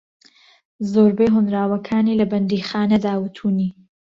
زۆربەی ھۆنراوەکانی لە بەندیخانەدا وتونی